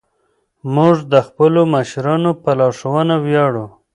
موږ د خپلو مشرانو په لارښوونه ویاړو.